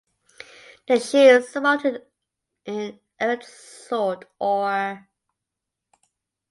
The shield surmounted an erect sword or.